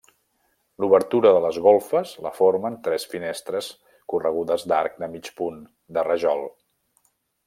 L'obertura de les golfes la formen tres finestres corregudes d'arc de mig punt de rajol.